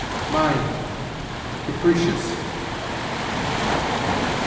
MIND CAPRICIOUS.